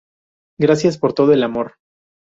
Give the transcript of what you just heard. Gracias por todo el amor"".